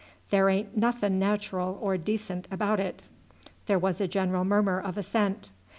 There ain't nothing natural or decent about it." There was a general murmur of assent.